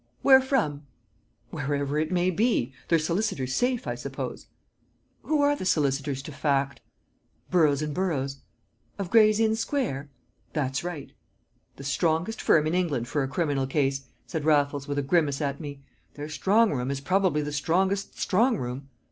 "Where from?" "Wherever it may be; their solicitors' safe, I suppose." "Who are the solicitors to Fact?" "Burroughs and Burroughs." "Of Gray's Inn Square?" "That's right." "The strongest firm in England for a criminal case," said Raffles, with a grimace at me. "Their strong room is probably the strongest strong room!"